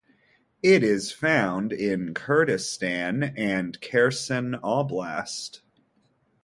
It is found in Kurdistan and Kherson Oblast.